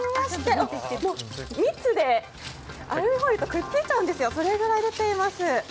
蜜でアルミホイルがくっついちゃうんですよ、それぐらい出ています。